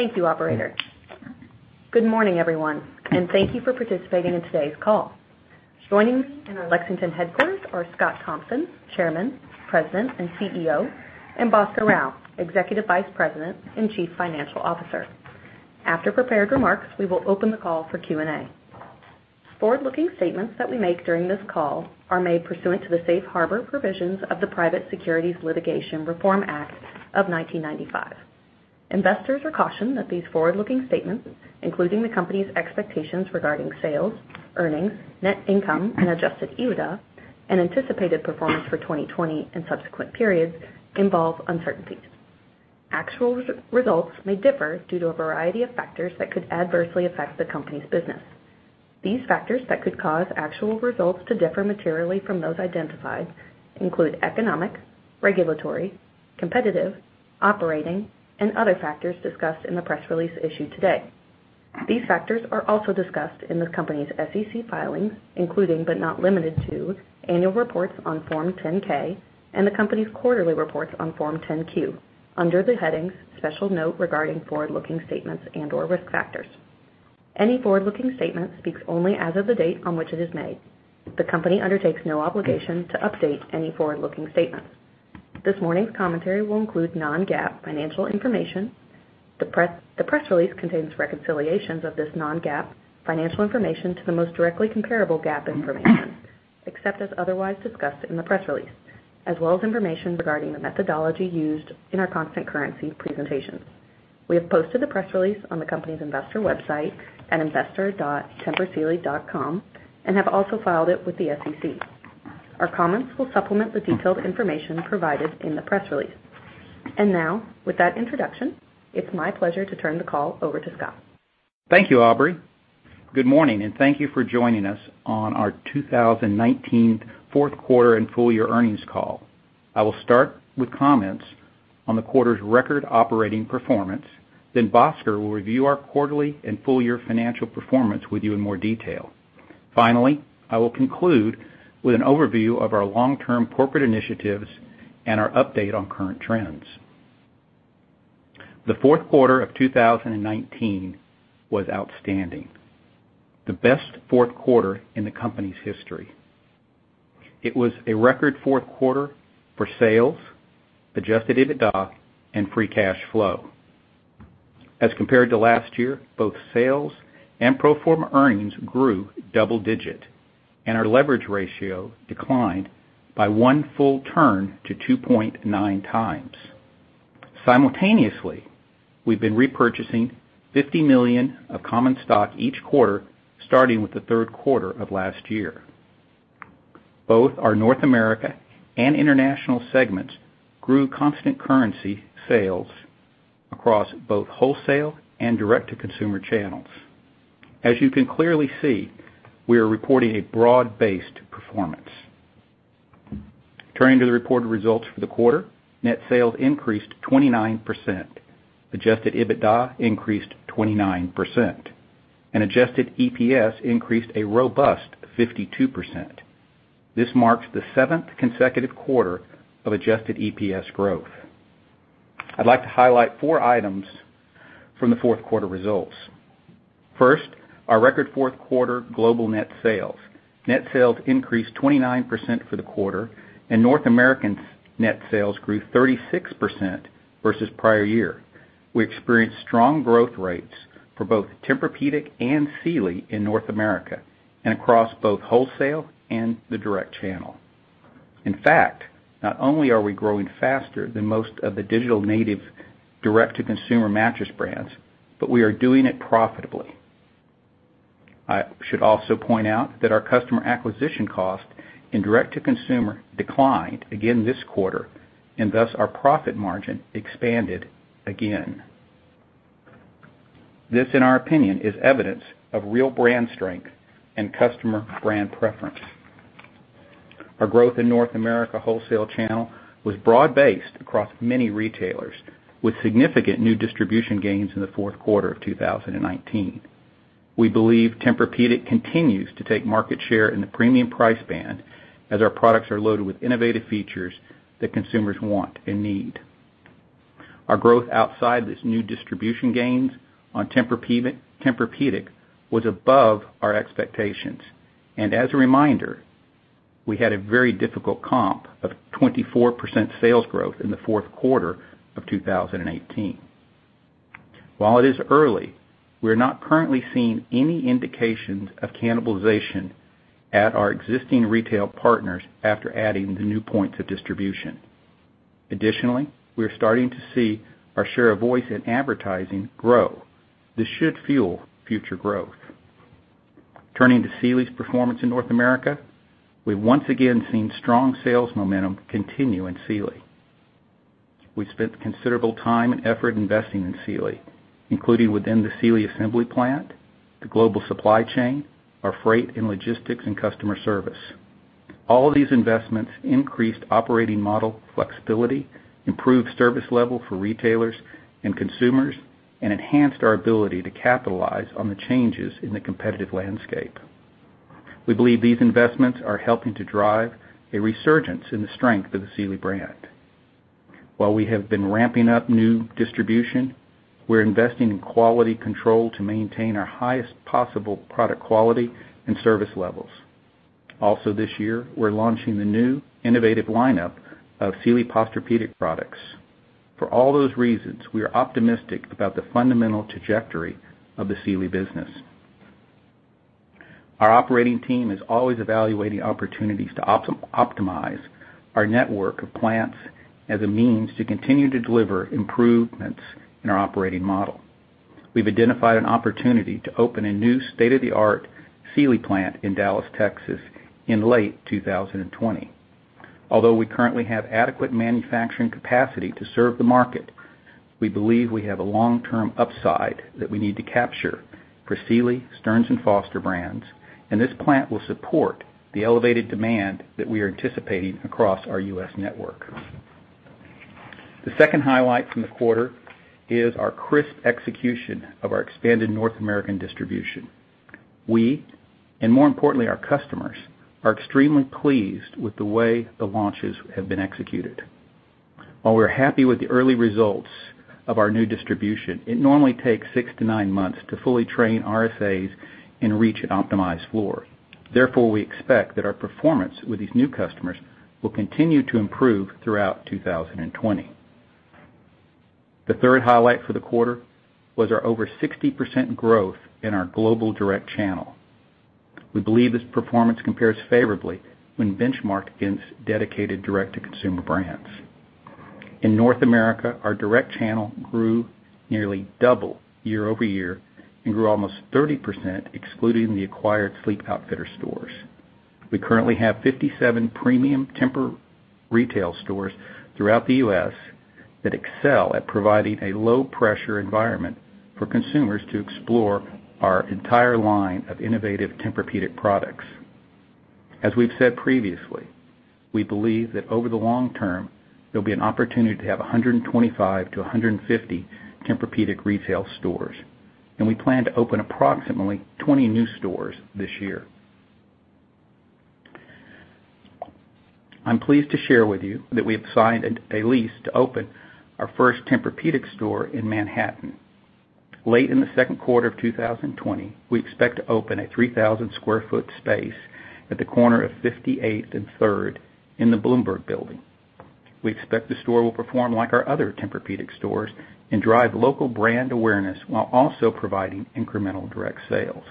Thank you, operator. Good morning, everyone, and thank you for participating in today's call. Joining me in our Lexington headquarters are Scott Thompson, Chairman, President, and CEO, and Bhaskar Rao, Executive Vice President and Chief Financial Officer. After prepared remarks, we will open the call for Q&A. Forward-looking statements that we make during this call are made pursuant to the safe harbor provisions of the Private Securities Litigation Reform Act of 1995. Investors are cautioned that these forward-looking statements, including the company's expectations regarding sales, earnings, net income, and adjusted EBITDA and anticipated performance for 2020 and subsequent periods involve uncertainties. Actual results may differ due to a variety of factors that could adversely affect the company's business. These factors that could cause actual results to differ materially from those identified include economic, regulatory, competitive, operating, and other factors discussed in the press release issued today. These factors are also discussed in the company's SEC filings, including, but not limited to annual reports on Form 10-K and the company's quarterly reports on Form 10-Q under the headings "Special Note Regarding Forward-Looking Statements" and/or "Risk Factors." Any forward-looking statement speaks only as of the date on which it is made. The company undertakes no obligation to update any forward-looking statements. This morning's commentary will include non-GAAP financial information. The press release contains reconciliations of this non-GAAP financial information to the most directly comparable GAAP information, except as otherwise discussed in the press release, as well as information regarding the methodology used in our constant currency presentations. We have posted the press release on the company's investor website at investor.tempursealy.com, and have also filed it with the SEC. Our comments will supplement the detailed information provided in the press release. Now, with that introduction, it's my pleasure to turn the call over to Scott. Thank you, Aubrey. Good morning, and thank you for joining us on our 2019 fourth quarter and full year earnings call. I will start with comments on the quarter's record operating performance, then Bhaskar will review our quarterly and full year financial performance with you in more detail. Finally, I will conclude with an overview of our long-term corporate initiatives and our update on current trends. The fourth quarter of 2019 was outstanding, the best fourth quarter in the company's history. It was a record fourth quarter for sales, adjusted EBITDA, and free cash flow. As compared to last year, both sales and pro forma earnings grew double digit, and our leverage ratio declined by one full turn to 2.9x. Simultaneously, we've been repurchasing $50 million of common stock each quarter, starting with the third quarter of last year. Both our North America and international segments grew constant currency sales across both wholesale and direct-to-consumer channels. As you can clearly see, we are reporting a broad-based performance. Turning to the reported results for the quarter. Net sales increased 29%. Adjusted EBITDA increased 29%, and adjusted EPS increased a robust 52%. This marks the seventh consecutive quarter of adjusted EPS growth. I'd like to highlight four items from the fourth quarter results. First, our record fourth quarter global net sales. Net sales increased 29% for the quarter, and North American net sales grew 36% versus prior year. We experienced strong growth rates for both Tempur-Pedic and Sealy in North America and across both wholesale and the direct channel. In fact, not only are we growing faster than most of the digital native direct-to-consumer mattress brands, but we are doing it profitably. I should also point out that our customer acquisition cost in direct to consumer declined again this quarter, thus our profit margin expanded again. This, in our opinion, is evidence of real brand strength and customer brand preference. Our growth in North America wholesale channel was broad-based across many retailers with significant new distribution gains in the fourth quarter of 2019. We believe Tempur-Pedic continues to take market share in the premium price band as our products are loaded with innovative features that consumers want and need. Our growth outside this new distribution gains on Tempur-Pedic was above our expectations. As a reminder, we had a very difficult comp of 24% sales growth in the fourth quarter of 2018. While it is early, we are not currently seeing any indications of cannibalization at our existing retail partners after adding the new points of distribution. Additionally, we are starting to see our share of voice in advertising grow. This should fuel future growth. Turning to Sealy's performance in North America. We've once again seen strong sales momentum continue in Sealy. We've spent considerable time and effort investing in Sealy, including within the Sealy assembly plant, the global supply chain, our freight and logistics, and customer service. All of these investments increased operating model flexibility, improved service level for retailers and consumers, and enhanced our ability to capitalize on the changes in the competitive landscape. We believe these investments are helping to drive a resurgence in the strength of the Sealy brand. While we have been ramping up new distribution, we're investing in quality control to maintain our highest possible product quality and service levels. This year, we're launching the new innovative lineup of Sealy Posturepedic products. For all those reasons, we are optimistic about the fundamental trajectory of the Sealy business. Our operating team is always evaluating opportunities to optimize our network of plants as a means to continue to deliver improvements in our operating model. We've identified an opportunity to open a new state-of-the-art Sealy plant in Dallas, Texas, in late 2020. We currently have adequate manufacturing capacity to serve the market, we believe we have a long-term upside that we need to capture for Sealy, Stearns & Foster brands, and this plant will support the elevated demand that we are anticipating across our U.S. network. The second highlight from the quarter is our crisp execution of our expanded North American distribution. We, and more importantly, our customers, are extremely pleased with the way the launches have been executed. While we're happy with the early results of our new distribution, it normally takes six to nine months to fully train RSAs and reach an optimized floor. Therefore, we expect that our performance with these new customers will continue to improve throughout 2020. The third highlight for the quarter was our over 60% growth in our global direct channel. We believe this performance compares favorably when benchmarked against dedicated direct-to-consumer brands. In North America, our direct channel grew nearly double year-over-year and grew almost 30% excluding the acquired Sleep Outfitters stores. We currently have 57 premium Tempur retail stores throughout the U.S. that excel at providing a low-pressure environment for consumers to explore our entire line of innovative Tempur-Pedic products. As we've said previously, we believe that over the long term, there'll be an opportunity to have 125-150 Tempur-Pedic retail stores, and we plan to open approximately 20 new stores this year. I'm pleased to share with you that we have signed a lease to open our first Tempur-Pedic store in Manhattan. Late in the second quarter of 2020, we expect to open a 3,000 sq ft space at the corner of 58th and 3rd in the Bloomberg Building. We expect the store will perform like our other Tempur-Pedic stores and drive local brand awareness while also providing incremental direct sales.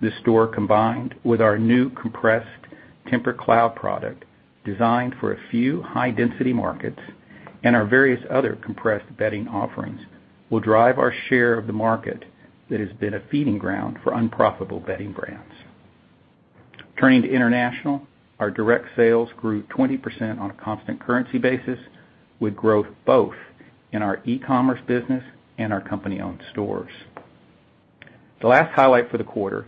This store, combined with our new compressed TEMPUR-Cloud product designed for a few high-density markets and our various other compressed bedding offerings, will drive our share of the market that has been a feeding ground for unprofitable bedding brands. Turning to international, our direct sales grew 20% on a constant currency basis, with growth both in our e-commerce business and our company-owned stores. The last highlight for the fourth quarter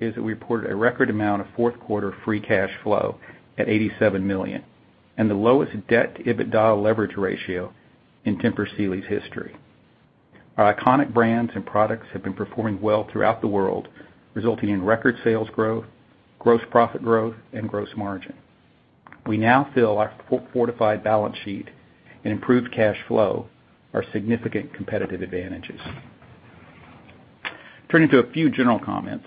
is that we reported a record amount of fourth quarter free cash flow at $87 million and the lowest debt-EBITDA leverage ratio in Tempur Sealy's history. Our iconic brands and products have been performing well throughout the world, resulting in record sales growth, gross profit growth, and gross margin. We now feel our fortified balance sheet and improved cash flow are significant competitive advantages. Turning to a few general comments.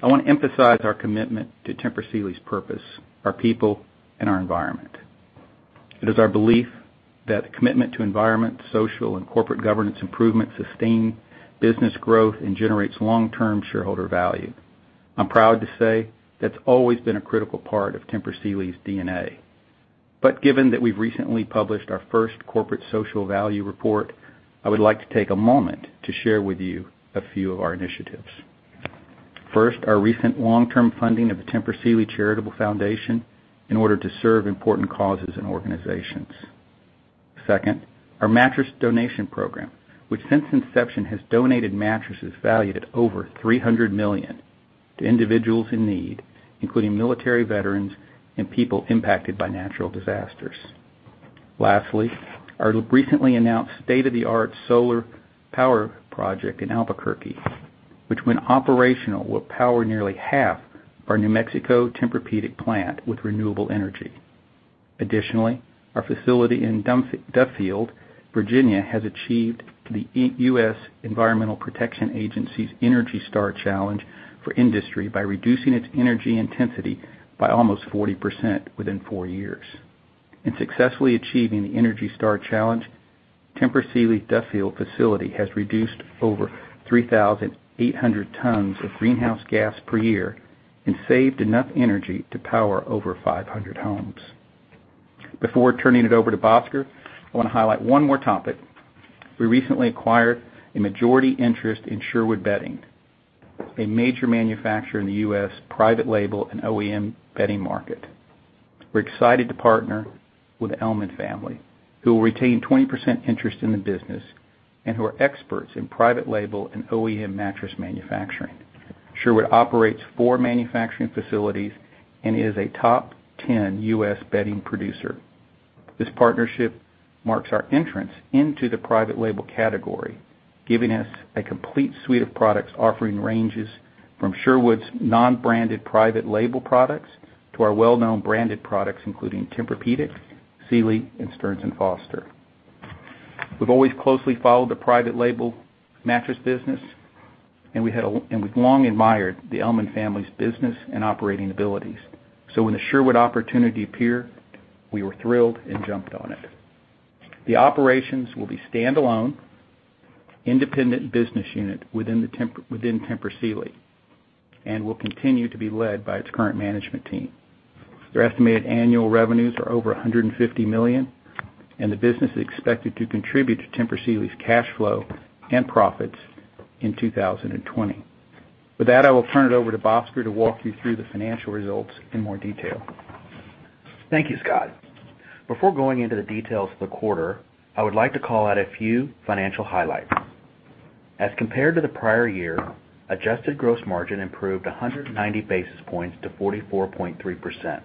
I want to emphasize our commitment to Tempur Sealy's purpose, our people, and our environment. It is our belief that commitment to environment, social, and corporate governance improvement sustain business growth and generates long-term shareholder value. I'm proud to say that's always been a critical part of Tempur Sealy's DNA. Given that we've recently published our first corporate social value report, I would like to take a moment to share with you a few of our initiatives. First, our recent long-term funding of the Tempur Sealy Charitable Foundation in order to serve important causes and organizations. Second, our mattress donation program, which since inception has donated mattresses valued at over $300 million to individuals in need, including military veterans and people impacted by natural disasters. Lastly, our recently announced state-of-the-art solar power project in Albuquerque, which when operational, will power nearly half of our New Mexico Tempur-Pedic plant with renewable energy. Additionally, our facility in Duffield, Virginia, has achieved the U.S. Environmental Protection Agency's ENERGY STAR Challenge for Industry by reducing its energy intensity by almost 40% within four years. In successfully achieving the ENERGY STAR Challenge, Tempur Sealy Duffield facility has reduced over 3,800 tons of greenhouse gas per year and saved enough energy to power over 500 homes. Before turning it over to Bhaskar, I want to highlight one more topic. We recently acquired a majority interest in Sherwood Bedding, a major manufacturer in the U.S. private label and OEM bedding market. We're excited to partner with the Ellman family, who will retain 20% interest in the business and who are experts in private label and OEM mattress manufacturing. Sherwood operates 4 manufacturing facilities and is a top 10 U.S. bedding producer. This partnership marks our entrance into the private label category, giving us a complete suite of products offering ranges from Sherwood's non-branded private label products to our well-known branded products, including Tempur-Pedic, Sealy, and Stearns & Foster. We've always closely followed the private label mattress business, and we've long admired the Ellman family's business and operating abilities. When the Sherwood opportunity appeared, we were thrilled and jumped on it. The operations will be standalone, independent business unit within Tempur Sealy and will continue to be led by its current management team. Their estimated annual revenues are over $150 million, and the business is expected to contribute to Tempur Sealy's cash flow and profits in 2020. With that, I will turn it over to Bhaskar to walk you through the financial results in more detail. Thank you, Scott. Before going into the details of the quarter, I would like to call out a few financial highlights. As compared to the prior year, adjusted gross margin improved 190 basis points to 44.3%.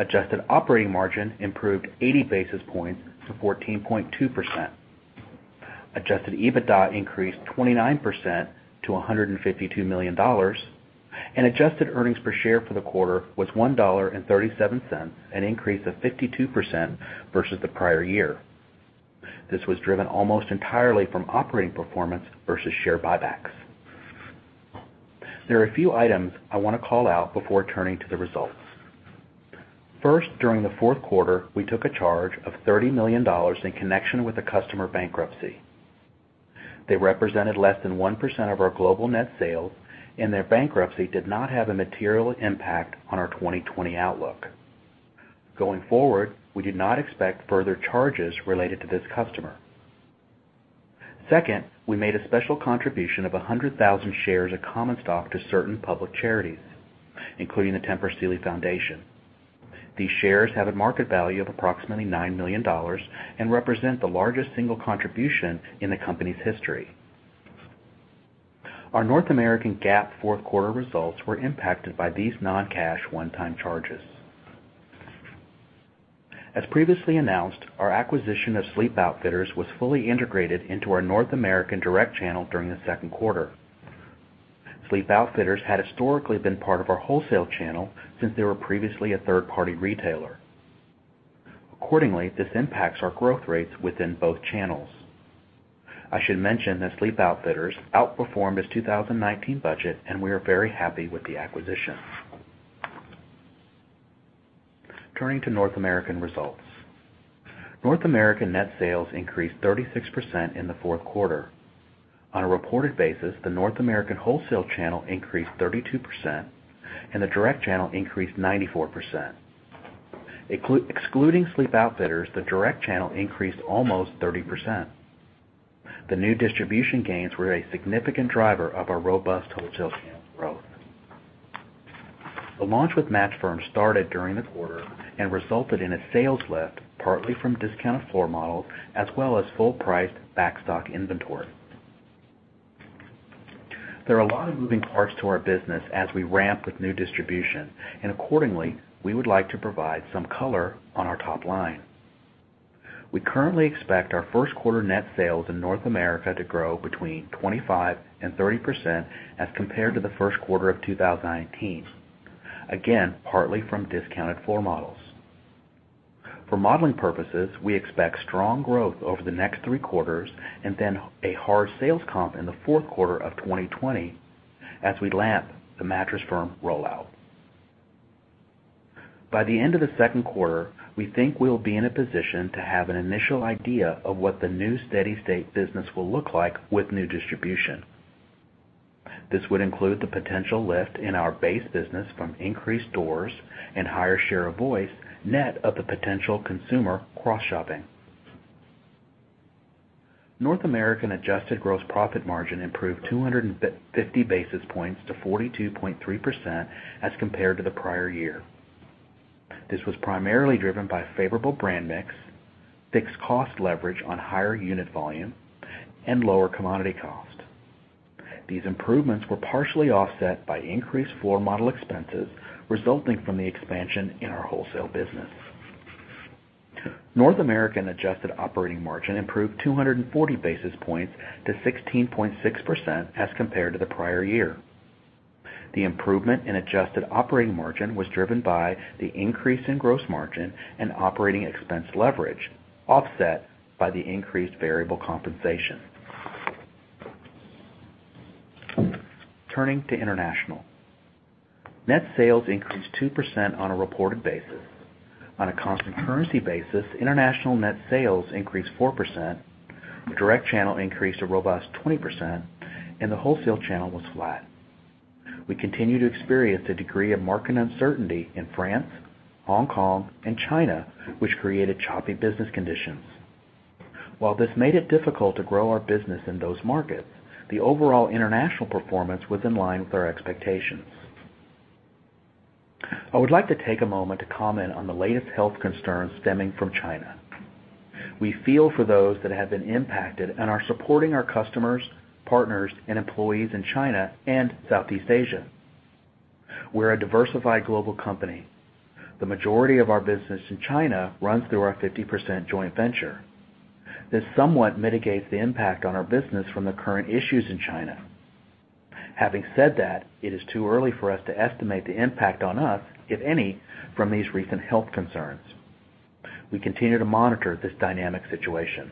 Adjusted operating margin improved 80 basis points to 14.2%. Adjusted EBITDA increased 29% to $152 million. Adjusted earnings per share for the quarter was $1.37, an increase of 52% versus the prior year. This was driven almost entirely from operating performance versus share buybacks. There are a few items I wanna call out before turning to the results. First, during the fourth quarter, we took a charge of $30 million in connection with a customer bankruptcy. They represented less than 1% of our global net sales, and their bankruptcy did not have a material impact on our 2020 outlook. Going forward, we do not expect further charges related to this customer. Second, we made a special contribution of 100,000 shares of common stock to certain public charities, including the Tempur Sealy Foundation. These shares have a market value of approximately $9 million and represent the largest single contribution in the company's history. Our North American GAAP fourth quarter results were impacted by these non-cash one-time charges. As previously announced, our acquisition of Sleep Outfitters was fully integrated into our North American direct channel during the second quarter. Sleep Outfitters had historically been part of our wholesale channel since they were previously a third-party retailer. Accordingly, this impacts our growth rates within both channels. I should mention that Sleep Outfitters outperformed its 2019 budget, we are very happy with the acquisition. Turning to North American results. North American net sales increased 36% in the fourth quarter. On a reported basis, the North American wholesale channel increased 32% and the direct channel increased 94%. Excluding Sleep Outfitters, the direct channel increased almost 30%. The new distribution gains were a significant driver of our robust wholesale growth. The launch with Mattress Firm started during the quarter and resulted in a sales lift, partly from discounted floor models as well as full-priced backstock inventory. There are a lot of moving parts to our business as we ramp with new distribution, accordingly, we would like to provide some color on our top line. We currently expect our first quarter net sales in North America to grow between 25% and 30% as compared to the first quarter of 2019, again, partly from discounted floor models. For modeling purposes, we expect strong growth over the next three quarters and then a hard sales comp in the fourth quarter of 2020 as we ramp the Mattress Firm rollout. By the end of the second quarter, we think we'll be in a position to have an initial idea of what the new steady-state business will look like with new distribution. This would include the potential lift in our base business from increased doors and higher share of voice, net of the potential consumer cross-shopping. North American adjusted gross profit margin improved 250 basis points to 42.3% as compared to the prior year. This was primarily driven by favorable brand mix, fixed cost leverage on higher unit volume, and lower commodity cost. These improvements were partially offset by increased floor model expenses resulting from the expansion in our wholesale business. North American adjusted operating margin improved 240 basis points to 16.6% as compared to the prior year. The improvement in adjusted operating margin was driven by the increase in gross margin and operating expense leverage, offset by the increased variable compensation. Turning to international. Net sales increased 2% on a reported basis. On a constant currency basis, international net sales increased 4%, the direct channel increased a robust 20%, and the wholesale channel was flat. We continue to experience a degree of market uncertainty in France, Hong Kong, and China, which created choppy business conditions. While this made it difficult to grow our business in those markets, the overall international performance was in line with our expectations. I would like to take a moment to comment on the latest health concerns stemming from China. We feel for those that have been impacted and are supporting our customers, partners, and employees in China and Southeast Asia. We're a diversified global company. The majority of our business in China runs through our 50% joint venture. This somewhat mitigates the impact on our business from the current issues in China. Having said that, it is too early for us to estimate the impact on us, if any, from these recent health concerns. We continue to monitor this dynamic situation.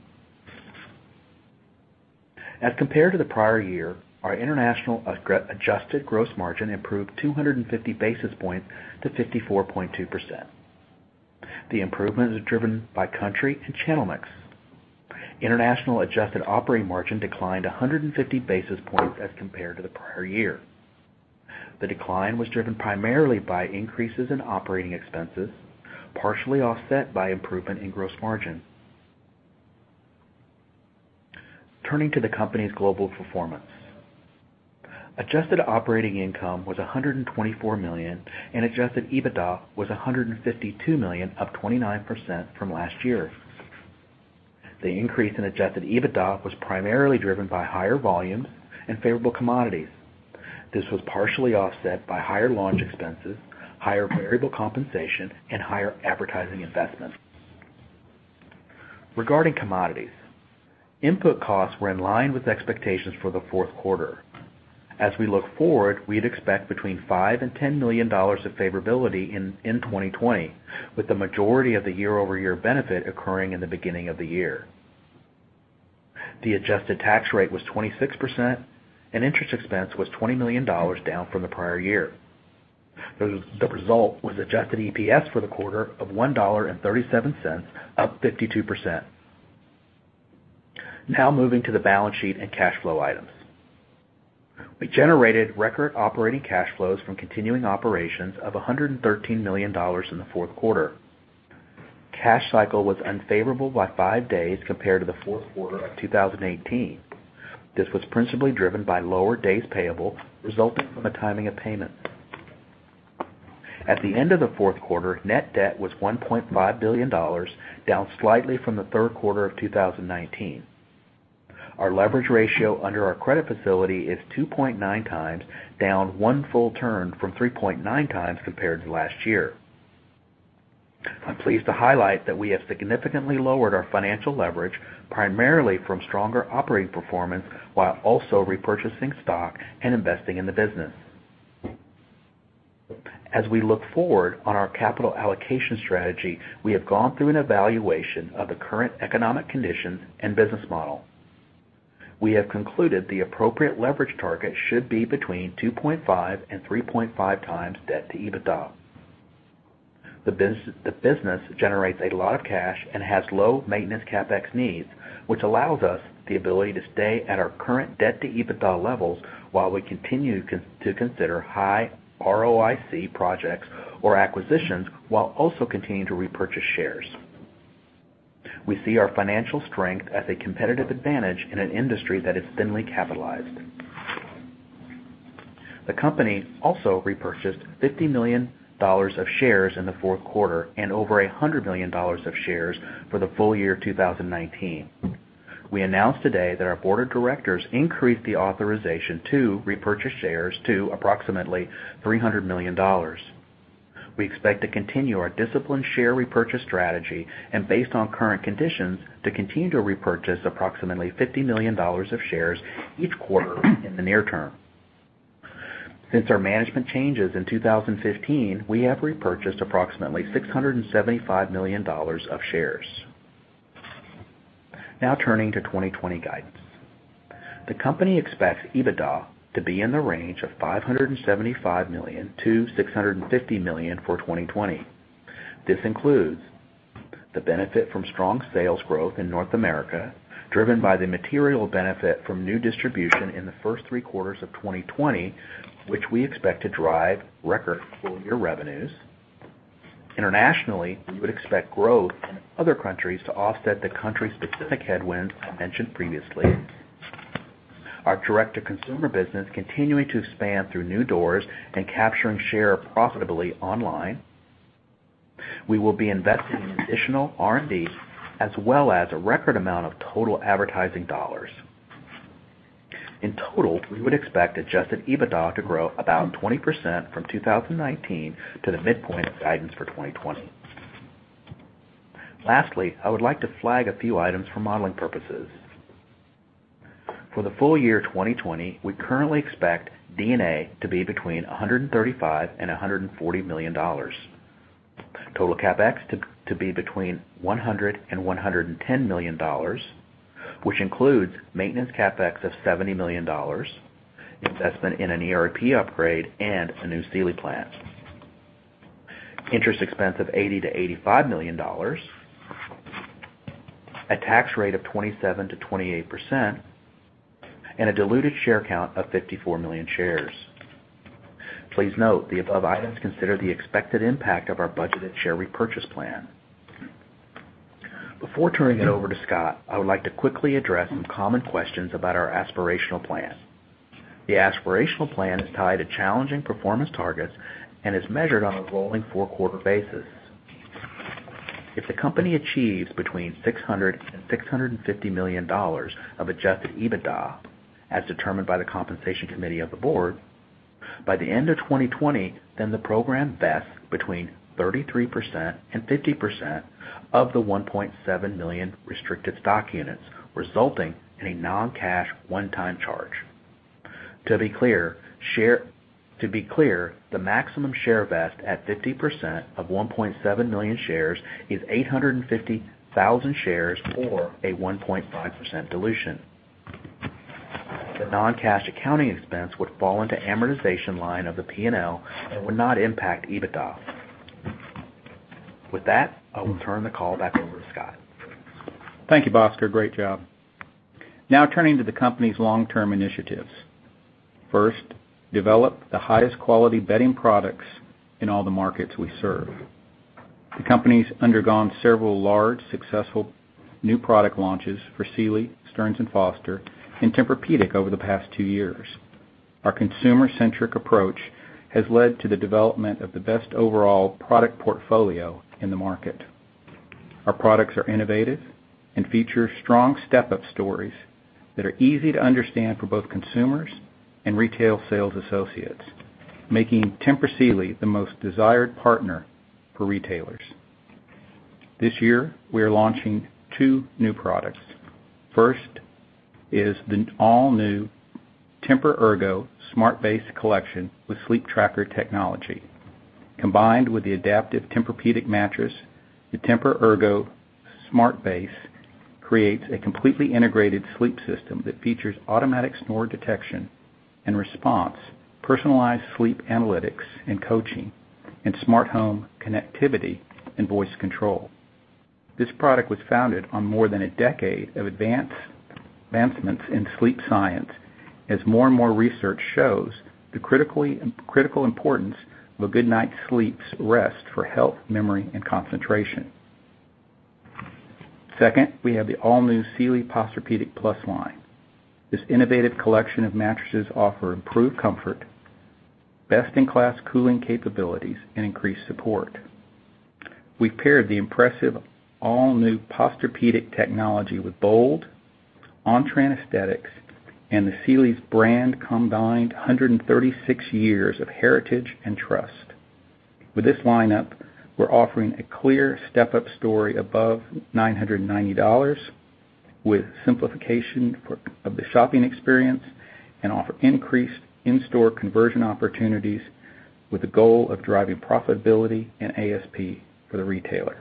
As compared to the prior year, our international adjusted gross margin improved 250 basis points to 54.2%. The improvement is driven by country and channel mix. International adjusted operating margin declined 150 basis points as compared to the prior year. The decline was driven primarily by increases in operating expenses, partially offset by improvement in gross margin. Turning to the company's global performance. Adjusted operating income was $124 million, and adjusted EBITDA was $152 million, up 29% from last year. The increase in adjusted EBITDA was primarily driven by higher volumes and favorable commodities. This was partially offset by higher launch expenses, higher variable compensation, and higher advertising investments. Regarding commodities. Input costs were in line with expectations for the fourth quarter. As we look forward, we'd expect between $5 million and $10 million of favorability in 2020, with the majority of the year-over-year benefit occurring in the beginning of the year. The adjusted tax rate was 26% and interest expense was $20 million, down from the prior year. The result was adjusted EPS for the quarter of $1.37, up 52%. Moving to the balance sheet and cash flow items. We generated record operating cash flows from continuing operations of $113 million in the fourth quarter. Cash cycle was unfavorable by five days compared to the fourth quarter of 2018. This was principally driven by lower days payable resulting from the timing of payments. At the end of the fourth quarter, net debt was $1.5 billion, down slightly from the third quarter of 2019. Our leverage ratio under our credit facility is 2.9x, down one full turn from 3.9x compared to last year. I'm pleased to highlight that we have significantly lowered our financial leverage primarily from stronger operating performance, while also repurchasing stock and investing in the business. As we look forward on our capital allocation strategy, we have gone through an evaluation of the current economic conditions and business model. We have concluded the appropriate leverage target should be between 2.5x and 3.5x debt to EBITDA. The business generates a lot of cash and has low maintenance CapEx needs, which allows us the ability to stay at our current debt to EBITDA levels while we continue to consider high ROIC projects or acquisitions, while also continuing to repurchase shares. We see our financial strength as a competitive advantage in an industry that is thinly capitalized. The company also repurchased $50 million of shares in the fourth quarter and over $100 million of shares for the full year of 2019. We announced today that our board of directors increased the authorization to repurchase shares to approximately $300 million. We expect to continue our disciplined share repurchase strategy and based on current conditions, to continue to repurchase approximately $50 million of shares each quarter in the near term. Since our management changes in 2015, we have repurchased approximately $675 million of shares. Turning to 2020 guidance. The company expects EBITDA to be in the range of $575 million-$650 million for 2020. This includes the benefit from strong sales growth in North America, driven by the material benefit from new distribution in the first three quarters of 2020, which we expect to drive record full year revenues. Internationally, we would expect growth in other countries to offset the country-specific headwinds I mentioned previously. Our direct-to-consumer business continuing to expand through new doors and capturing share profitably online. We will be investing in additional R&D as well as a record amount of total advertising dollars. In total, we would expect adjusted EBITDA to grow about 20% from 2019 to the midpoint of guidance for 2020. Lastly, I would like to flag a few items for modeling purposes. For the full year 2020, we currently expect DNA to be between $135 million and $140 million. Total CapEx to be between $100 million and $110 million, which includes maintenance CapEx of $70 million, investment in an ERP upgrade, and a new Sealy plant. Interest expense of $80 million-$85 million. A tax rate of 27%-28%, and a diluted share count of 54 million shares. Please note the above items consider the expected impact of our budgeted share repurchase plan. Before turning it over to Scott, I would like to quickly address some common questions about our aspirational plan. The aspirational plan is tied to challenging performance targets and is measured on a rolling four-quarter basis. If the company achieves between $600 million and $650 million of adjusted EBITDA, as determined by the compensation committee of the board, by the end of 2020, then the program vests between 33% and 50% of the 1.7 million restricted stock units, resulting in a non-cash one-time charge. To be clear, the maximum share vest at 50% of 1.7 million shares is 850,000 shares or a 1.5% dilution. The non-cash accounting expense would fall into amortization line of the P&L and would not impact EBITDA. With that, I will turn the call back over to Scott. Thank you, Bhaskar. Great job. Turning to the company's long-term initiatives. First, develop the highest quality bedding products in all the markets we serve. The company's undergone several large, successful new product launches for Sealy, Stearns & Foster, and Tempur-Pedic over the past two years. Our consumer-centric approach has led to the development of the best overall product portfolio in the market. Our products are innovative and feature strong step-up stories that are easy to understand for both consumers and Retail Sales Associates, making Tempur Sealy the most desired partner for retailers. This year, we are launching two new products. First is the all-new TEMPUR-Ergo Smart Base collection with Sleeptracker technology. Combined with the adaptive Tempur-Pedic mattress, the TEMPUR-Ergo Smart Base creates a completely integrated sleep system that features automatic snore detection and response, personalized sleep analytics and coaching, and smart home connectivity and voice control. This product was founded on more than a decade of advancements in sleep science as more and more research shows the critical importance of a good night's sleep's rest for health, memory, and concentration. Second, we have the all-new Sealy Posturepedic Plus line. This innovative collection of mattresses offer improved comfort, best-in-class cooling capabilities, and increased support. We've paired the impressive all-new Posturepedic technology with bold on-trend aesthetics and the Sealy's brand combined 136 years of heritage and trust. With this lineup, we're offering a clear step-up story above $990 with simplification of the shopping experience and offer increased in-store conversion opportunities with the goal of driving profitability and ASP for the retailer.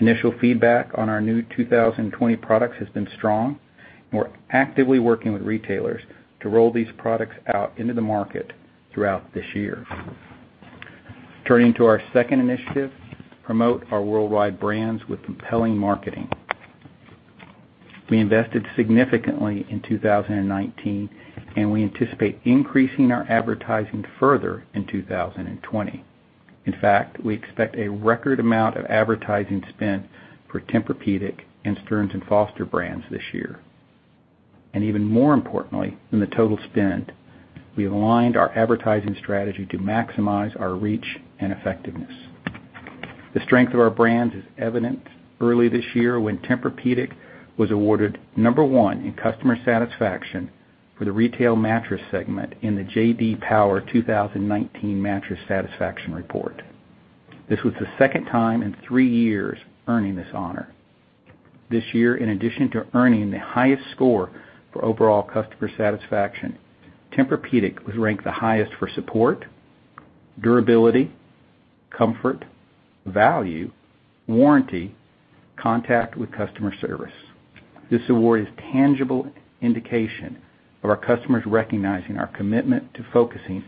Initial feedback on our new 2020 products has been strong, and we're actively working with retailers to roll these products out into the market throughout this year. Turning to our second initiative, promote our worldwide brands with compelling marketing. We invested significantly in 2019, and we anticipate increasing our advertising further in 2020. In fact, we expect a record amount of advertising spend for Tempur-Pedic and Stearns & Foster brands this year. Even more importantly than the total spend, we've aligned our advertising strategy to maximize our reach and effectiveness. The strength of our brands is evident early this year when Tempur-Pedic was awarded number one in customer satisfaction for the retail mattress segment in the J.D. Power 2019 Mattress Satisfaction Report. This was the second time in three years earning this honor. This year, in addition to earning the highest score for overall customer satisfaction, Tempur-Pedic was ranked the highest for support, durability, comfort, value, warranty, contact with customer service. This award is tangible indication of our customers recognizing our commitment to focusing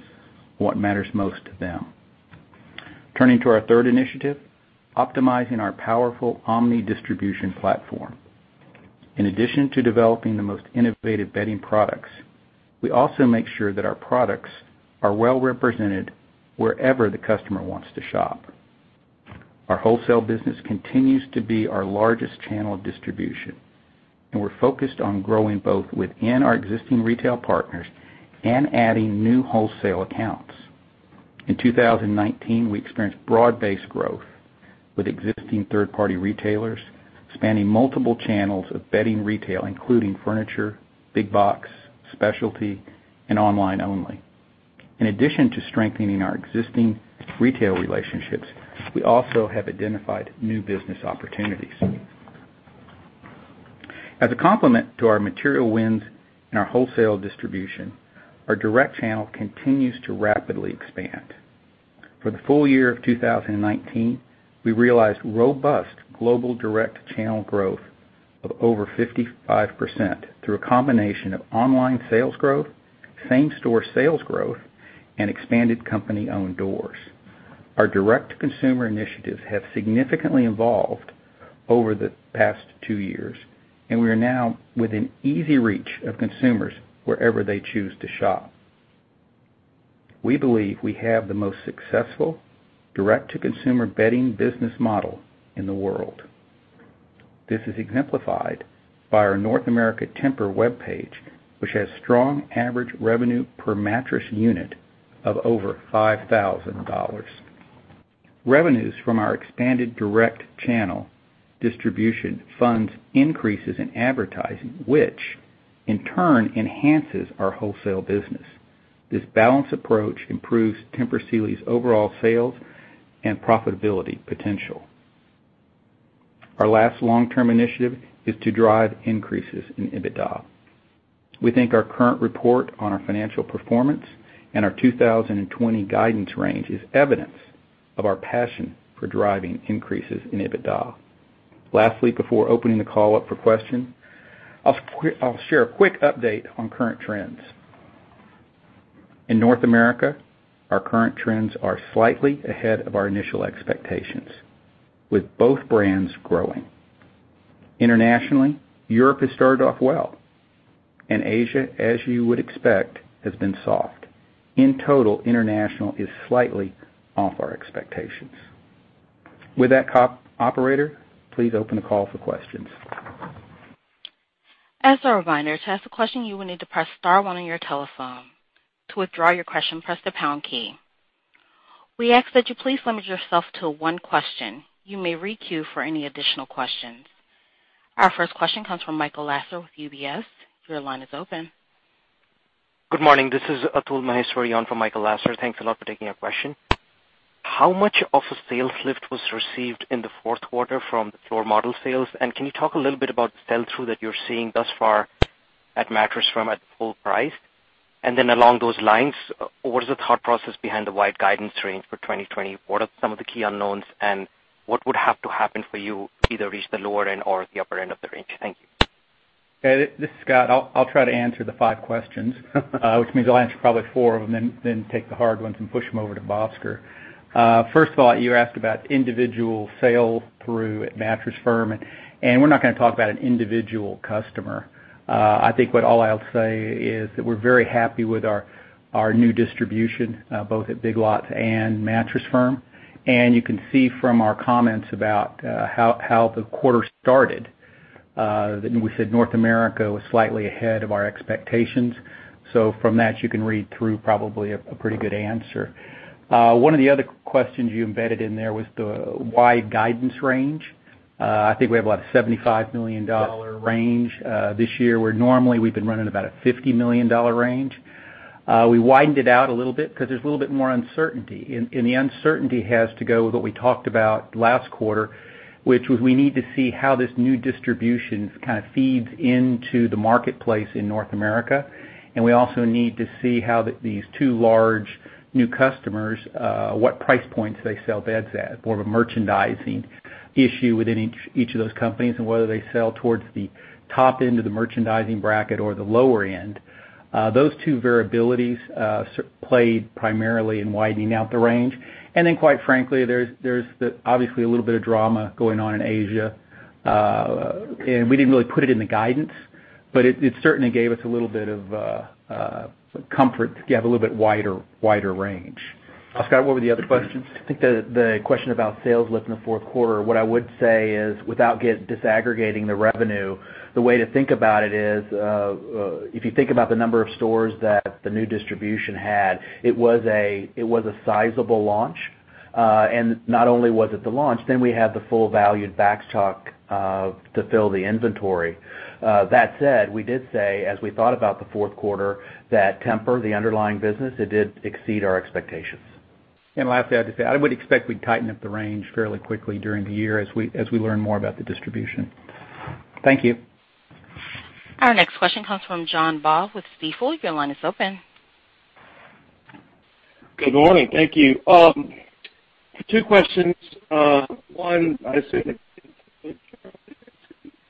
what matters most to them. Turning to our third initiative, optimizing our powerful omni distribution platform. In addition to developing the most innovative bedding products, we also make sure that our products are well represented wherever the customer wants to shop. Our wholesale business continues to be our largest channel of distribution, we're focused on growing both within our existing retail partners and adding new wholesale accounts. In 2019, we experienced broad-based growth with existing third-party retailers spanning multiple channels of bedding retail, including furniture, big box, specialty, and online only. In addition to strengthening our existing retail relationships, we also have identified new business opportunities. As a complement to our material wins in our wholesale distribution, our direct channel continues to rapidly expand. For the full year of 2019, we realized robust global direct channel growth of over 55% through a combination of online sales growth, same-store sales growth, and expanded company-owned doors. Our direct-to-consumer initiatives have significantly evolved over the past two years, and we are now within easy reach of consumers wherever they choose to shop. We believe we have the most successful direct-to-consumer bedding business model in the world. This is exemplified by our North America Tempur webpage, which has strong average revenue per mattress unit of over $5,000. Revenues from our expanded direct channel distribution funds increases in advertising, which in turn enhances our wholesale business. This balanced approach improves Tempur Sealy's overall sales and profitability potential. Our last long-term initiative is to drive increases in EBITDA. We think our current report on our financial performance and our 2020 guidance range is evidence of our passion for driving increases in EBITDA. Lastly, before opening the call up for question, I'll share a quick update on current trends. In North America, our current trends are slightly ahead of our initial expectations, with both brands growing. Internationally, Europe has started off well, and Asia, as you would expect, has been soft. In total, international is slightly off our expectations. With that, operator, please open the call for questions. As a reminder, to ask a question, you will need to press star one on your telephone. To withdraw your question, press the pound key. We ask that you please limit yourself to one question. You may re-queue for any additional questions. Our first question comes from Michael Lasser with UBS. Your line is open. Good morning. This is Atul Maheshwari in for Michael Lasser. Thanks a lot for taking our question. How much of a sales lift was received in the fourth quarter from the floor model sales? Can you talk a little bit about the sell-through that you're seeing thus far at Mattress Firm at full price? Along those lines, what is the thought process behind the wide guidance range for 2020? What are some of the key unknowns, and what would have to happen for you to either reach the lower end or the upper end of the range? Thank you. Yeah, this is Scott. I'll try to answer the five questions. Which means I'll answer probably four of them, then take the hard ones and push them over to Bhaskar. First of all, you asked about individual sales through at Mattress Firm. We're not gonna talk about an individual customer. I think what all I'll say is that we're very happy with our new distribution, both at Big Lots and Mattress Firm. You can see from our comments about how the quarter started, that we said North America was slightly ahead of our expectations. From that, you can read through probably a pretty good answer. One of the other questions you embedded in there was the wide guidance range. I think we have about a $75 million range this year, where normally we've been running about a $50 million range. We widened it out a little bit because there's a little bit more uncertainty, and the uncertainty has to go with what we talked about last quarter, which was we need to see how this new distribution kind of feeds into the marketplace in North America. We also need to see how these two large new customers, what price points they sell beds at, more of a merchandising issue within each of those companies and whether they sell towards the top end of the merchandising bracket or the lower end. Those two variabilities play primarily in widening out the range. Then, quite frankly, there's the obviously a little bit of drama going on in Asia. We didn't really put it in the guidance, but it certainly gave us a little bit of comfort to have a little bit wider range. Scott, what were the other questions? I think the question about sales lift in the fourth quarter, what I would say is, without disaggregating the revenue, the way to think about it is, if you think about the number of stores that the new distribution had, it was a sizable launch. Not only was it the launch, then we had the full valued backstock to fill the inventory. That said, we did say, as we thought about the fourth quarter, that Tempur, the underlying business, it did exceed our expectations. Lastly, I'd just say I would expect we'd tighten up the range fairly quickly during the year as we learn more about the distribution. Thank you. Our next question comes from John Baugh with Stifel. Your line is open. Good morning. Thank you. two questions. One, I assume.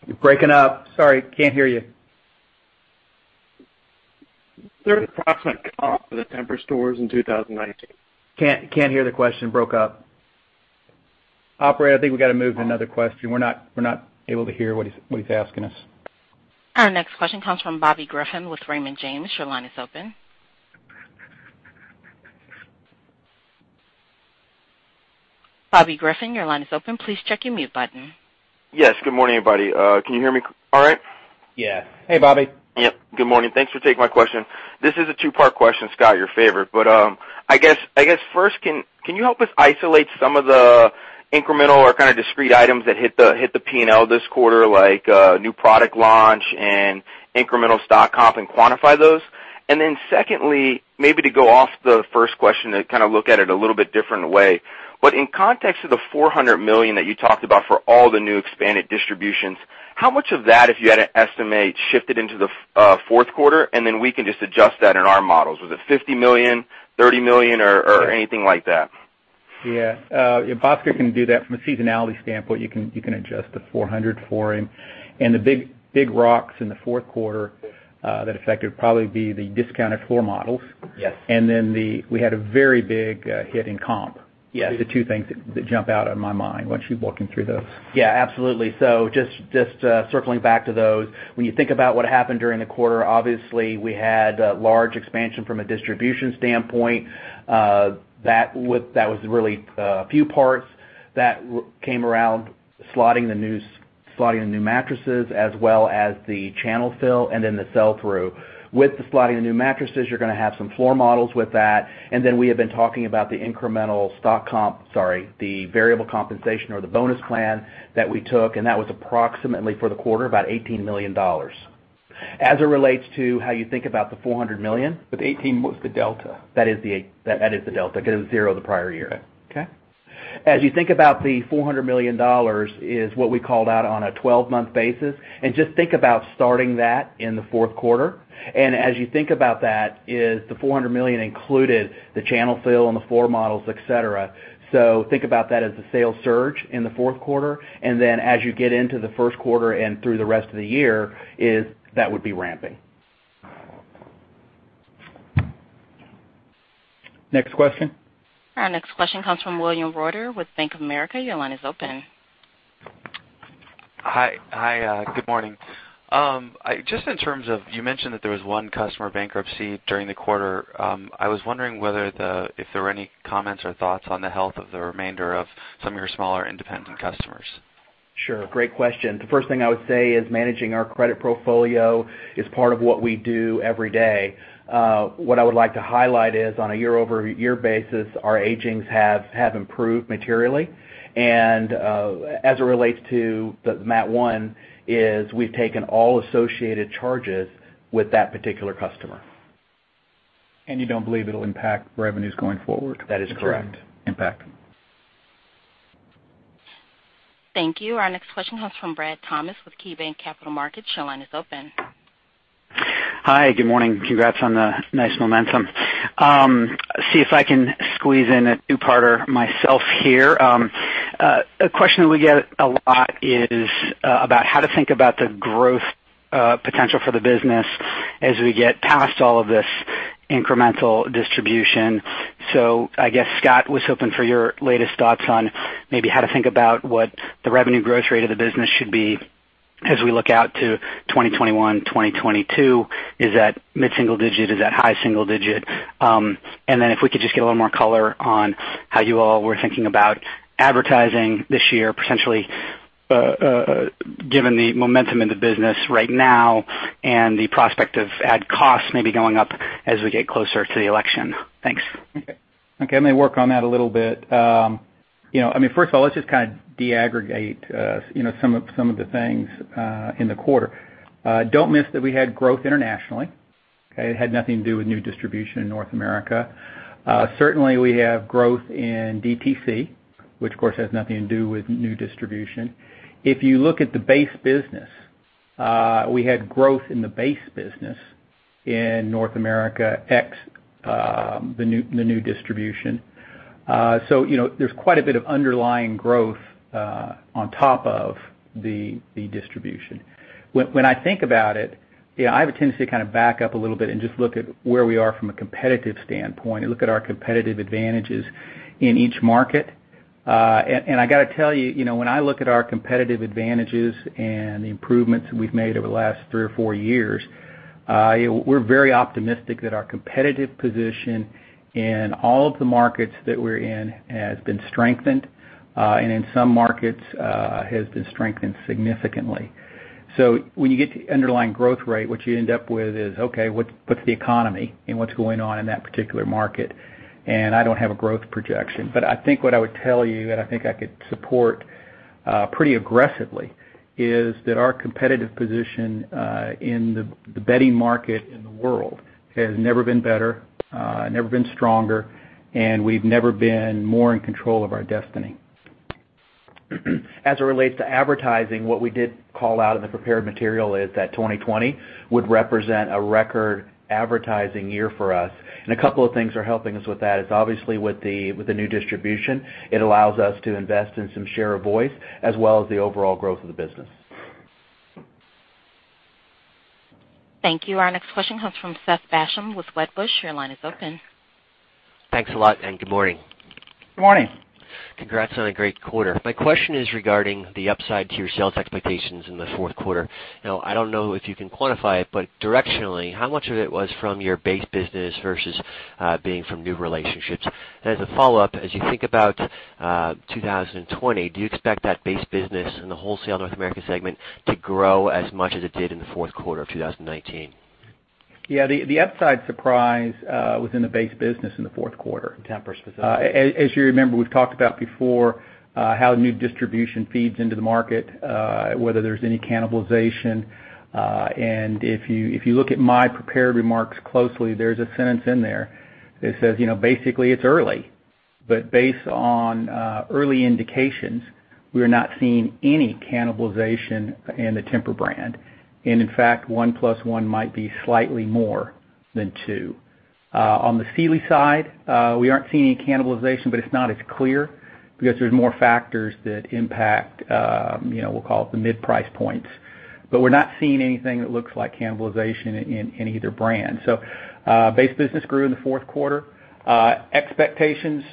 You're breaking up. Sorry, can't hear you. Is there a approximate comp for the Tempur stores in 2019? Can't hear the question. Broke up. Operator, I think we gotta move to another question. We're not able to hear what he's asking us. Our next question comes from Bobby Griffin with Raymond James. Yes. Good morning, everybody. Can you hear me all right? Yeah. Hey, Bobby. Yep. Good morning. Thanks for taking my question. This is a two-part question, Scott, your favorite. I guess first, can you help us isolate some of the incremental or kind of discrete items that hit the P&L this quarter, like new product launch and incremental stock comp, and quantify those? Secondly, maybe to go off the first question and kind of look at it a little bit different way, but in context of the $400 million that you talked about for all the new expanded distributions, how much of that, if you had to estimate, shifted into the fourth quarter? We can just adjust that in our models. Was it $50 million, $30 million or anything like that? Yeah. If Bhaskar can do that from a seasonality standpoint, you can adjust the $400 million for him. The big rocks in the fourth quarter that affected would probably be the discounted floor models. Yes. We had a very big hit in comp. Yes. The two things that jump out of my mind once you're walking through those. Yeah, absolutely. Just circling back to those. When you think about what happened during the quarter, obviously, we had a large expansion from a distribution standpoint. That was really a few parts that came around slotting the new mattresses as well as the channel fill and then the sell-through. With the slotting the new mattresses, you're gonna have some floor models with that, and then we have been talking about the incremental variable compensation or the bonus plan that we took, and that was approximately for the quarter, about $18 million. As it relates to how you think about the $400 million- $18 million was the delta. That is the delta because it was 0 the prior year. Okay. Okay. As you think about the $400 million is what we called out on a 12-month basis, just think about starting that in the fourth quarter. As you think about that is the $400 million included the channel fill and the floor models, etc. Think about that as a sales surge in the fourth quarter. As you get into the first quarter and through the rest of the year is that would be ramping. Next question. Our next question comes from William Reuter with Bank of America. Your line is open. Hi. Hi, good morning. Just in terms of, you mentioned that there was one customer bankruptcy during the quarter. I was wondering whether if there were any comments or thoughts on the health of the remainder of some of your smaller independent customers. Sure. Great question. The first thing I would say is managing our credit portfolio is part of what we do every day. What I would like to highlight is on a year-over-year basis, our agings have improved materially. As it relates to the Mattress ONE is we've taken all associated charges with that particular customer. You don't believe it'll impact revenues going forward? That is correct. Impact. Thank you. Our next question comes from Bradley Thomas with KeyBanc Capital Markets. Your line is open. Hi, good morning. Congrats on the nice momentum. See if I can squeeze in a two-parter myself here. A question that we get a lot is about how to think about the growth potential for the business as we get past all of this incremental distribution. I guess, Scott, was hoping for your latest thoughts on maybe how to think about what the revenue growth rate of the business should be as we look out to 2021, 2022. Is that mid-single digit? Is that high single digit? And then if we could just get a little more color on how you all were thinking about advertising this year, potentially, given the momentum in the business right now and the prospect of ad costs maybe going up as we get closer to the election. Thanks. Okay. Okay, let me work on that a little bit. You know, I mean, first of all, let's just kind of deaggregate, you know, some of the things in the quarter. Don't miss that we had growth internationally, okay? It had nothing to do with new distribution in North America. Certainly, we have growth in DTC, which of course has nothing to do with new distribution. If you look at the base business, we had growth in the base business in North America ex the new distribution. You know, there's quite a bit of underlying growth on top of the distribution. When I think about it, I have a tendency to kind of back up a little bit and just look at where we are from a competitive standpoint and look at our competitive advantages in each market. I gotta tell you know, when I look at our competitive advantages and the improvements that we've made over the last three or four years, we're very optimistic that our competitive position in all of the markets that we're in has been strengthened, and in some markets, has been strengthened significantly. When you get to underlying growth rate, what you end up with is, okay, what's the economy and what's going on in that particular market? I don't have a growth projection. I think what I would tell you, and I think I could support pretty aggressively, is that our competitive position in the bedding market in the world has never been better, never been stronger, and we've never been more in control of our destiny. As it relates to advertising, what we did call out in the prepared material is that 2020 would represent a record advertising year for us. A couple of things are helping us with that is obviously with the new distribution, it allows us to invest in some share of voice as well as the overall growth of the business. Thank you. Our next question comes from Seth Basham with Wedbush. Your line is open. Thanks a lot, and good morning. Good morning. Congrats on a great quarter. My question is regarding the upside to your sales expectations in the fourth quarter. Now, I don't know if you can quantify it, but directionally, how much of it was from your base business versus being from new relationships? As a follow-up, as you think about 2020, do you expect that base business in the wholesale North America segment to grow as much as it did in the fourth quarter of 2019? Yeah, the upside surprise was in the base business in the fourth quarter. Tempur specifically. As you remember, we've talked about before, how new distribution feeds into the market, whether there's any cannibalization. If you look at my prepared remarks closely, there's a sentence in there that says, you know, basically it's early. Based on early indications, we are not seeing any cannibalization in the Tempur brand. In fact, one plus one might be slightly more than two. On the Sealy side, we aren't seeing any cannibalization, but it's not as clear because there's more factors that impact, you know, we'll call it the mid-price points. We're not seeing anything that looks like cannibalization in either brand. Base business grew in the fourth quarter. Expectations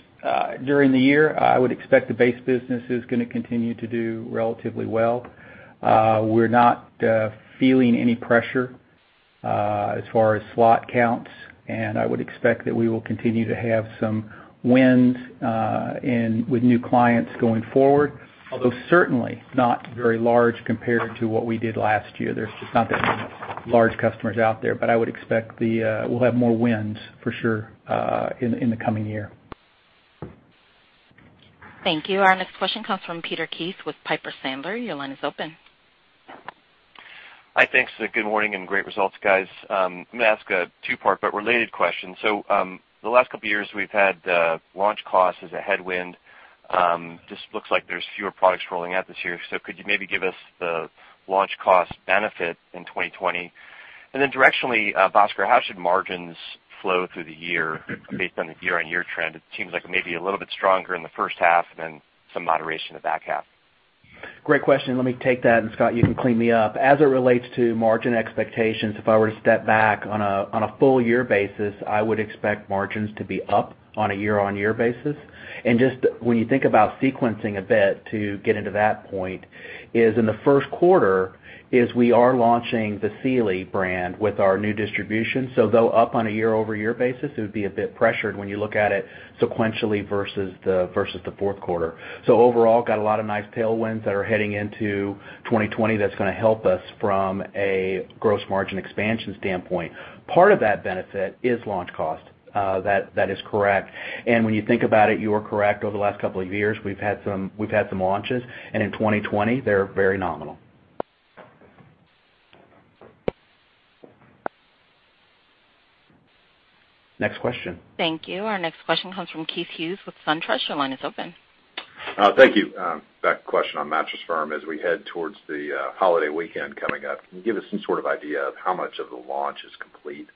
during the year, I would expect the base business is gonna continue to do relatively well. We're not feeling any pressure as far as slot counts, I would expect that we will continue to have some wins with new clients going forward, although certainly not very large compared to what we did last year. There's just not that many large customers out there. I would expect we'll have more wins for sure in the coming year. Thank you. Our next question comes from Peter Keith with Piper Sandler. Your line is open. Hi. Thanks. Good morning and great results, guys. I'm gonna ask a two-part but related question. The last couple of years, we've had launch costs as a headwind. Just looks like there's fewer products rolling out this year. Could you maybe give us the launch cost benefit in 2020? Directionally, Bhaskar, how should margins flow through the year based on the year-on-year trend? It seems like it may be a little bit stronger in the first half than some moderation in the back half. Great question. Let me take that, and Scott, you can clean me up. As it relates to margin expectations, if I were to step back on a full year basis, I would expect margins to be up on a year-on-year basis. Just when you think about sequencing a bit to get into that point is in the first quarter is we are launching the Sealy brand with our new distribution. Though up on a year-over-year basis, it would be a bit pressured when you look at it sequentially versus the fourth quarter. Overall, got a lot of nice tailwinds that are heading into 2020 that's gonna help us from a gross margin expansion standpoint. Part of that benefit is launch cost, that is correct. When you think about it, you are correct. Over the last couple of years, we've had some launches. In 2020, they're very nominal. Next question. Thank you. Our next question comes from Keith Hughes with SunTrust. Your line is open. Thank you. Back question on Mattress Firm. As we head towards the holiday weekend coming up, can you give us some sort of idea of how much of the launch is complete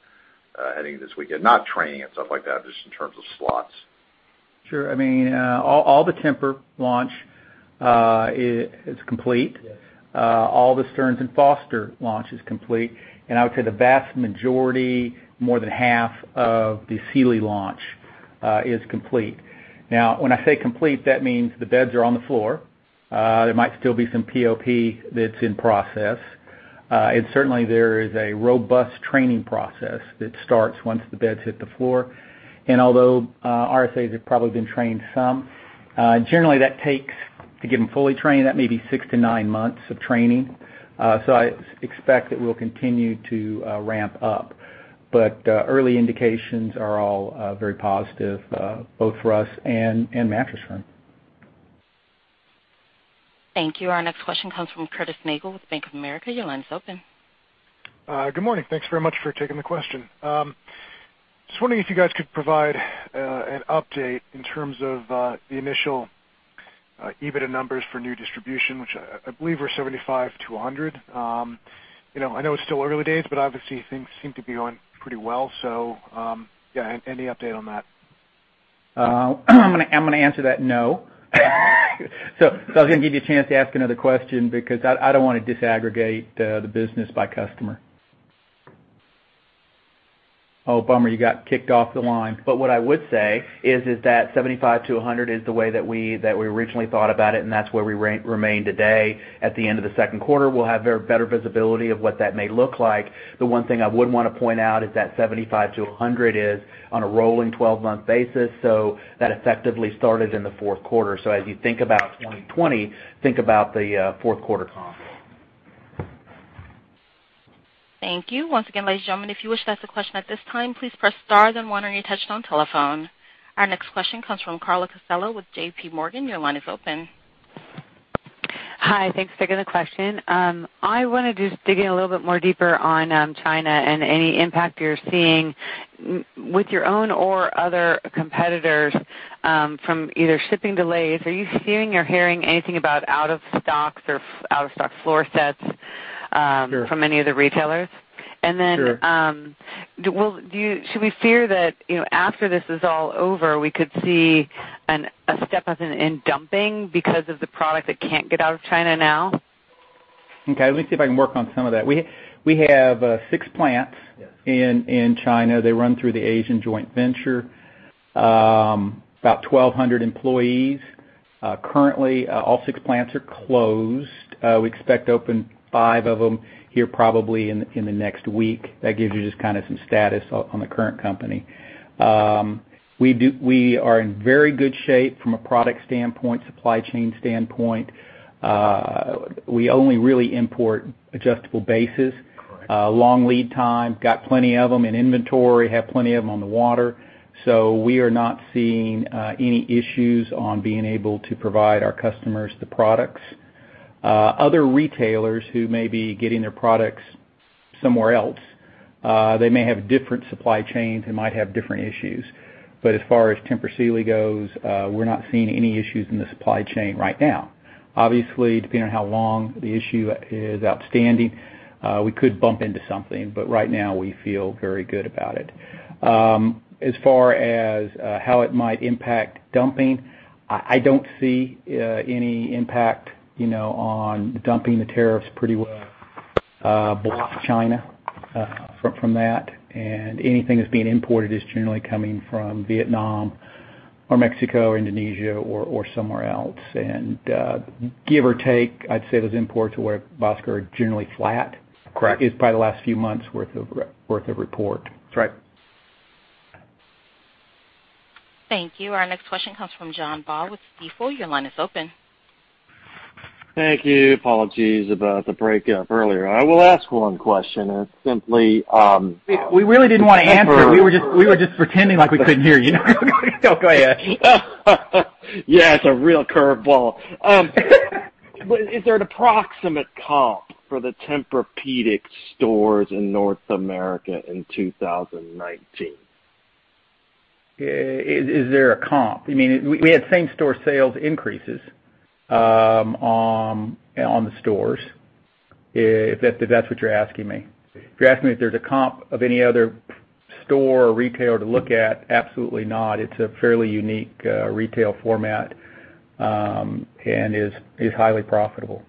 heading this weekend? Not training and stuff like that, just in terms of slots. Sure. I mean, all the Tempur launch is complete. All the Stearns & Foster launch is complete. I would say the vast majority, more than half of the Sealy launch is complete. Now, when I say complete, that means the beds are on the floor. There might still be some POP that's in process. Certainly, there is a robust training process that starts once the beds hit the floor. Although, RSAs have probably been trained some, generally that takes, to get them fully trained, that may be six to nine months of training. I expect that we'll continue to ramp up. Early indications are all very positive, both for us and Mattress Firm. Thank you. Our next question comes from Curtis Nagle with Bank of America. Good morning. Thanks very much for taking the question. Just wondering if you guys could provide an update in terms of the initial EBITDA numbers for new distribution, which I believe were $75-$100? You know, I know it's still early days, but obviously things seem to be going pretty well. Any update on that? I'm gonna answer that no. I was gonna give you a chance to ask another question because I don't wanna disaggregate the business by customer. Bummer, you got kicked off the line. What I would say is that $75-$100 is the way that we originally thought about it, and that's where we remain today. At the end of the second quarter, we'll have very better visibility of what that may look like. The one thing I would wanna point out is that $75-$100 is on a rolling 12-month basis, so that effectively started in the fourth quarter. As you think about 2020, think about the fourth quarter comp. Thank you. Our next question comes from Carla Casella with JPMorgan. Your line is open. Hi. Thanks for taking the question. I wanna just dig in a little bit more deeper on China and any impact you're seeing with your own or other competitors from either shipping delays. Are you seeing or hearing anything about out of stocks or out of stock floor sets? Sure from any of the retailers? Sure. Well, should we fear that, you know, after this is all over, we could see a step up in dumping because of the product that can't get out of China now? Okay, let me see if I can work on some of that. We have six plants. Yes In China. They run through the Asian joint venture. About 1,200 employees. Currently, all six plants are closed. We expect to open five of them here probably in the next week. That gives you just kinda some status on the current company. We are in very good shape from a product standpoint, supply chain standpoint. We only really import adjustable bases. Correct. Long lead time, got plenty of them in inventory, have plenty of them on the water. We are not seeing any issues on being able to provide our customers the products. Other retailers who may be getting their products somewhere else, they may have different supply chains and might have different issues. As far as Tempur Sealy goes, we're not seeing any issues in the supply chain right now. Obviously, depending on how long the issue is outstanding, we could bump into something, but right now we feel very good about it. As far as how it might impact dumping, I don't see any impact, you know, on dumping the tariffs pretty well, blocks China from that. Anything that's being imported is generally coming from Vietnam, Mexico or Indonesia or somewhere else. Give or take, I'd say those imports, Bhaskar, are generally flat. Correct. Is by the last few months worth of report. That's right. Thank you. Our next question comes from John Baugh with Stifel. Your line is open. Thank you. Apologies about the breakup earlier. I will ask one question. We really didn't wanna answer. We were just pretending like we couldn't hear you. No, go ahead. Yeah, it's a real curveball. Is there an approximate comp for the Tempur-Pedic stores in North America in 2019? Is there a comp? You mean, we had same store sales increases on the stores, if that's what you're asking me. If you're asking me if there's a comp of any other store or retailer to look at, absolutely not. It's a fairly unique retail format and is highly profitable.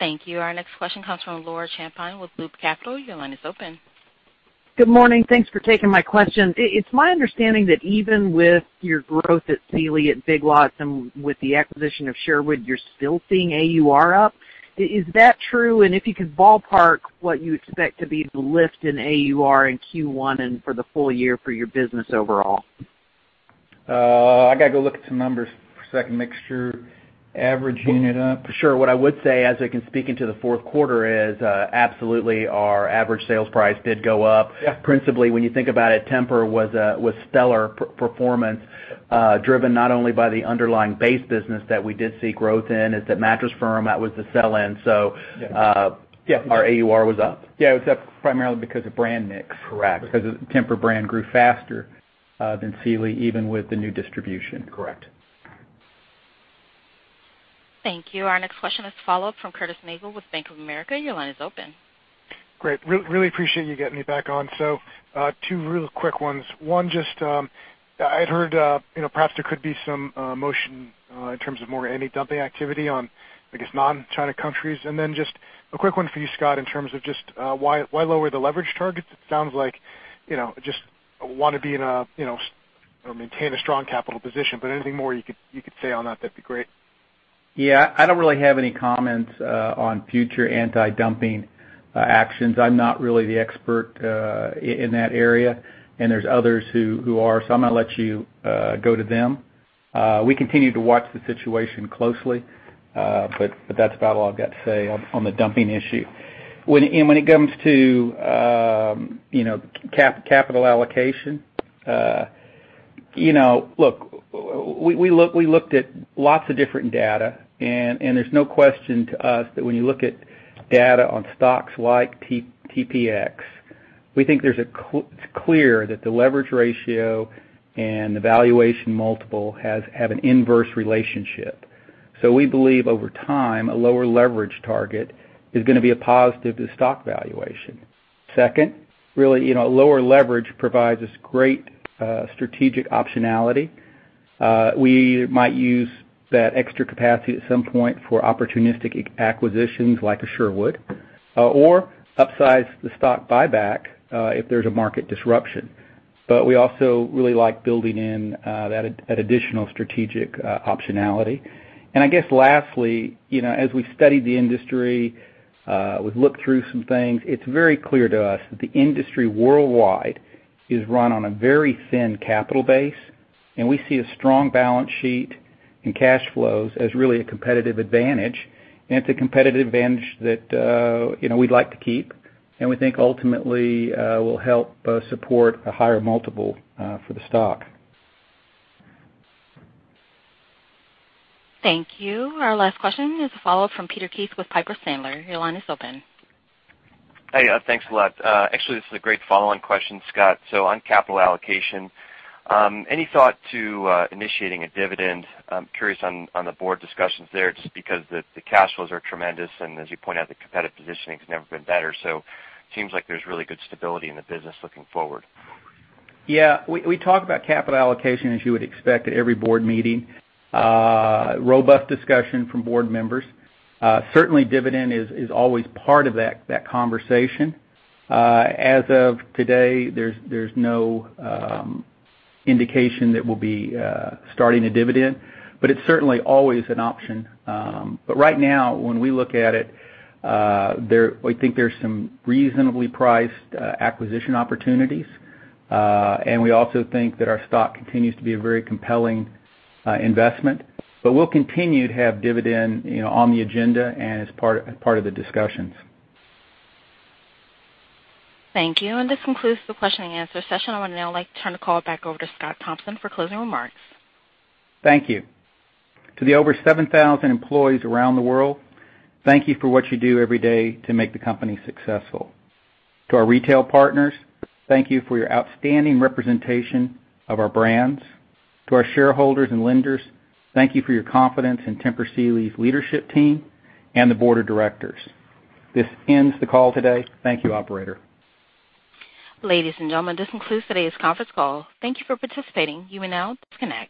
Thank you. Our next question comes from Laura Champine with Loop Capital. Your line is open. Good morning. Thanks for taking my question. It's my understanding that even with your growth at Sealy, at Big Lots, and with the acquisition of Sherwood, you're still seeing AUR up. Is that true? If you could ballpark what you expect to be the lift in AUR in Q1 and for the full year for your business overall. I gotta go look at some numbers for one second, make sure averaging it up. For sure. What I would say, as I can speak into the fourth quarter, is, absolutely our average sales price did go up. Yeah. Principally, when you think about it, Tempur-Pedic was stellar performance, driven not only by the underlying base business that we did see growth in. It is at Mattress Firm, that was the sell-in. Yeah. Yeah. Our AUR was up. It was up primarily because of brand mix. Correct. Because the Tempur brand grew faster, than Sealy, even with the new distribution. Correct. Thank you. Our next question is a follow-up from Curtis Nagle with Bank of America. Your line is open. Great. Really appreciate you getting me back on. Two real quick ones. One, just, I'd heard, you know, perhaps there could be some motion in terms of more anti-dumping activity on, I guess, non-China countries. Just a quick one for you, Scott, in terms of just why lower the leverage target? It sounds like, you know, just wanna be in a, you know, or maintain a strong capital position, anything more you could say on that'd be great. Yeah, I don't really have any comments on future anti-dumping actions. I'm not really the expert in that area, there's others who are, I'm gonna let you go to them. We continue to watch the situation closely, but that's about all I've got to say on the dumping issue. When it comes to, you know, capital allocation, you know, look, we looked at lots of different data, and there's no question to us that when you look at data on stocks like TPX, we think there's a clear it's clear that the leverage ratio and the valuation multiple has have an inverse relationship. We believe over time, a lower leverage target is gonna be a positive to stock valuation. Second, really, you know, lower leverage provides us great strategic optionality. We might use that extra capacity at some point for opportunistic acquisitions like a Sherwood, or upsize the stock buyback, if there's a market disruption. We also really like building in that additional strategic optionality. I guess lastly, you know, as we studied the industry, we've looked through some things, it's very clear to us that the industry worldwide is run on a very thin capital base, and we see a strong balance sheet and cash flows as really a competitive advantage, and it's a competitive advantage that, you know, we'd like to keep and we think ultimately will help support a higher multiple for the stock. Thank you. Our last question is a follow-up from Peter Keith with Piper Sandler. Your line is open. Hey, thanks a lot. Actually, this is a great follow-on question, Scott. On capital allocation, any thought to initiating a dividend? I'm curious on the board discussions there just because the cash flows are tremendous, and as you point out, the competitive positioning has never been better. Seems like there's really good stability in the business looking forward. Yeah. We talk about capital allocation, as you would expect, at every board meeting. Robust discussion from board members. Certainly dividend is always part of that conversation. As of today, there's no indication that we'll be starting a dividend, but it's certainly always an option. Right now, when we look at it, we think there's some reasonably priced acquisition opportunities, and we also think that our stock continues to be a very compelling investment. We'll continue to have dividend, you know, on the agenda and as part of the discussions. Thank you. This concludes the question and answer session. I would now like to turn the call back over to Scott Thompson for closing remarks. Thank you. To the over 7,000 employees around the world, thank you for what you do every day to make the company successful. To our retail partners, thank you for your outstanding representation of our brands. To our shareholders and lenders, thank you for your confidence in Tempur Sealy's leadership team and the board of directors. This ends the call today. Thank you, operator. Ladies and gentlemen, this concludes today's conference call. Thank you for participating. You may now disconnect.